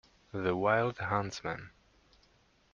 The wild huntsman.